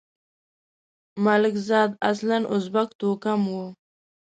ملکزاد اصلاً ازبک توکمه وو.